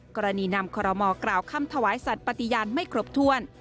กรณีนำคอรมอกล่าวคำถวายสัตว์ปฏิญาณไม่ครบถ้วน